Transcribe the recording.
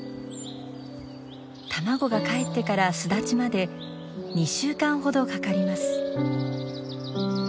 卵がかえってから巣立ちまで２週間ほどかかります。